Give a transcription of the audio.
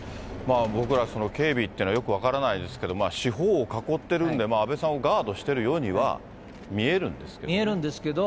僕ら、警備っていうのはよく分からないですけど、四方を囲ってるんで、安倍さんをガードしてるようには見えるんですけど。